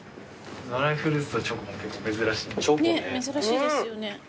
珍しいですよね。